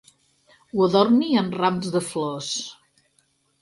Ho adorni amb rams de flors.